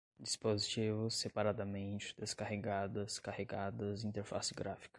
dispositivos, separadamente, descarregadas, carregadas, interface gráfica